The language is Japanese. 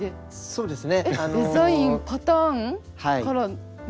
そうですね